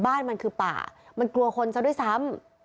บ้านมันคือป่ามันกลัวคนซะด้วยซ้ำ